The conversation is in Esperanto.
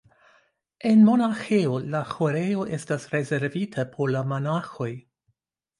En monaĥejoj la ĥorejo estas rezervita por la monaĥoj.